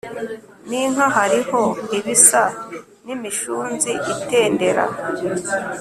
n inka hariho ibisa n imishunzi itendera